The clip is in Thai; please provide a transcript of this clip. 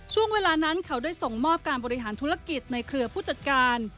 ช่วงเวลานั้นเขาได้ส่งมอบการบริหารธุรกิจในเครือผู้จัดการ